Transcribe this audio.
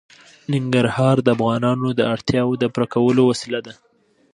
ننګرهار د افغانانو د اړتیاوو د پوره کولو وسیله ده.